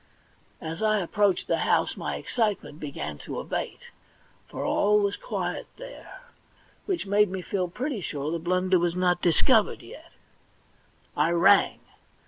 As I approached the house my excitement began to abate, for all was quiet there, which made me feel pretty sure the blunder was not discovered yet. I rang.